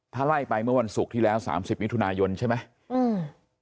ถ้าไล่ไปเมื่อวันศุกร์ที่แล้ว๓๐นิตุนายนใช่ไหม